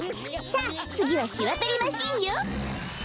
さあつぎはしわとりマシンよ。